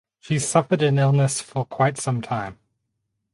She suffered an illness for quite some time.